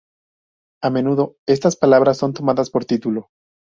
A menudo, estas palabras son tomadas por título.